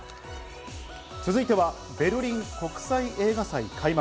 続いてはベルリン国際映画祭開幕。